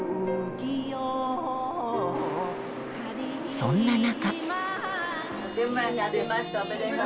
そんな中。